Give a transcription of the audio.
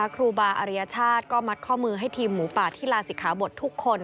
ครูบาอริยชาติก็มัดข้อมือให้ทีมหมูป่าที่ลาศิกขาบททุกคน